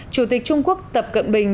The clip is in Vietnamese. chủ tịch trung quốc tập cận bình